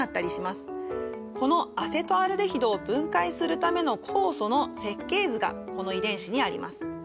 このアセトアルデヒドを分解するための酵素の設計図がこの遺伝子にあります。